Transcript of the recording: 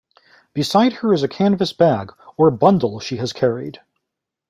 Beside her is a canvas bag, or bundle, she has carried.